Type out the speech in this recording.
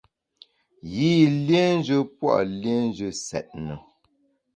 Yî liénjù pua liénjù nsètne.